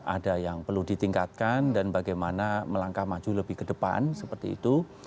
ada yang perlu ditingkatkan dan bagaimana melangkah maju lebih ke depan seperti itu